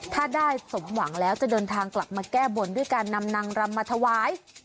ถ้าได้สมหวังแล้วจะเดินทางกลับมาแก้บนด้วยการนำนางรำมาถวาย